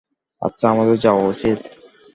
আচ্ছা, আমাদের যাওয়া উচিত।